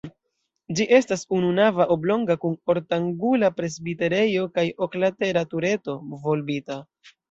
Ĝi estas ununava, oblonga kun ortangula presbiterejo kaj oklatera tureto, volbita.